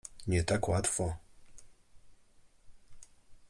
— Nie tak to łatwo.